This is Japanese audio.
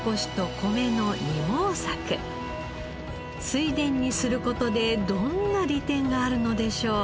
水田にする事でどんな利点があるのでしょう。